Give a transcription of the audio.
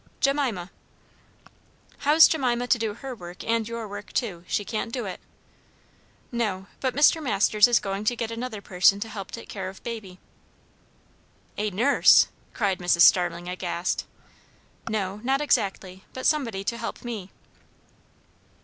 "Jemima." "How's Jemima to do her work and your work too? She can't do it." "No, but Mr. Masters is going to get another person to help take care of baby." "A nurse!" cried Mrs. Starling aghast. "No, not exactly; but somebody to help me."